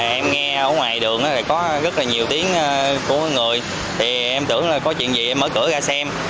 em nghe ở ngoài đường có rất nhiều tiếng của người em tưởng có chuyện gì em mở cửa ra xem